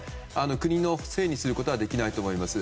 国のせいにすることはできないと思います。